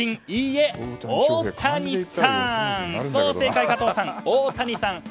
いいえ大谷さん」。